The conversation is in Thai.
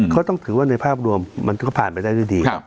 ก็ต้องถือว่าในภาพรวมมันก็ผ่านไปได้ด้วยดี